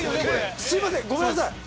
すいませんごめんなさい！